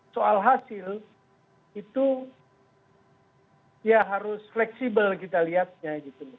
soal hasil itu ya harus fleksibel kita lihatnya